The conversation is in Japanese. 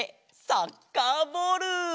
サッカーボール！